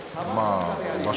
場所